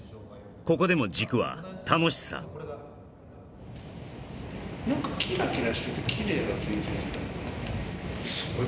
ここでも軸は楽しさで「くら」